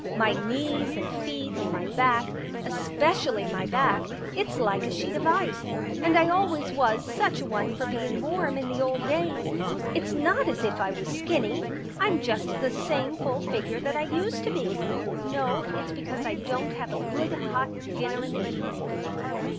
My knees and feet and my back — especially my back ; it's like a sheet of ice. And I always was such a one for being warm in the old days. It's not as if I was skinny — Vm just the same full figure that I used to be. No, it's because I don't have a good hot dinner in the evenings."